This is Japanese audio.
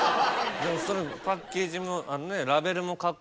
そのパッケージも。